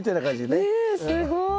ねえすごい。